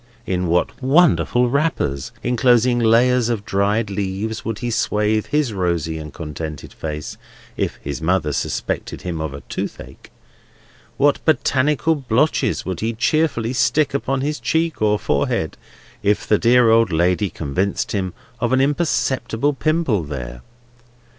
In what wonderful wrappers, enclosing layers of dried leaves, would he swathe his rosy and contented face, if his mother suspected him of a toothache! What botanical blotches would he cheerfully stick upon his cheek, or forehead, if the dear old lady convicted him of an imperceptible pimple there!